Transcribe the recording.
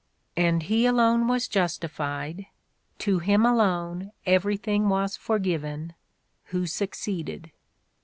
And he alone was justified, to him alone everything was forgiven, who succeeded.